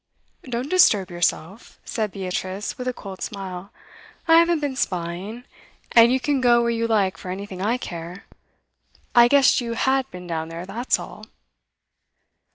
'Don't disturb yourself,' said Beatrice, with a cold smile. 'I haven't been spying, and you can go where you like for anything I care. I guessed you had been down there, that's all.